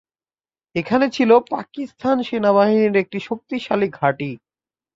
এখানে ছিল পাকিস্তান সেনাবাহিনীর একটি শক্তিশালী ঘাঁটি।